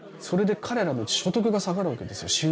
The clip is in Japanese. それで彼らの所得が下がるわけですよ